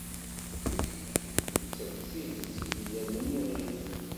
Netta, deg tidet, yella d iniɣi.